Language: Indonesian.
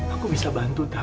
aku bisa bantu tak